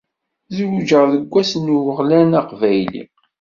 Zewǧeɣ deg wass n uɣlan aqbayli.